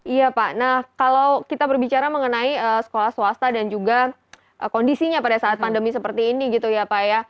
iya pak nah kalau kita berbicara mengenai sekolah swasta dan juga kondisinya pada saat pandemi seperti ini gitu ya pak ya